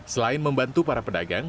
selain membantu para pedagang